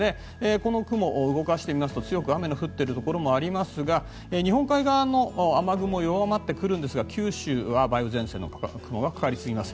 この雲、動かしてみますと強く雨が降っているところもありますが日本海側の雨雲は弱まってくるんですが九州は梅雨前線の雲がかかり続けます。